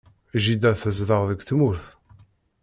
Jida tezdeɣ deg tmurt.